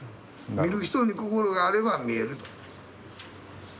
見る人に心があれば見えると。